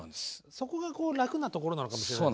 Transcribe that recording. そこが楽なところなのかもしれない。